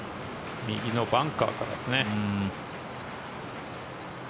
右のバンカーからですね。